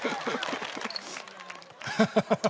ハハハハハ。